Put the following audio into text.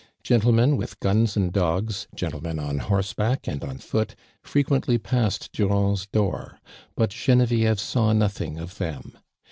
Gentlemen with guns and dogs, gentle men on horseback and on foot, frequently passed Durand's door, but CJenevieve saw nothing of them.